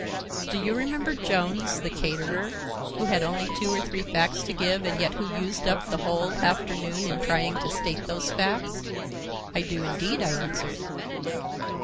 Do you remember Jones, the caterer, who had only two or three facts to give and yet who used up the whole afternoon in trying to state those facts?" "I do, indeed," I answered.